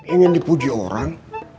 ingin dipuji orang